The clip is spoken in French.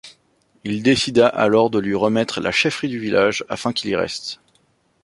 Il décida alors de lui remettre la chefferie du village afin qu'il y reste.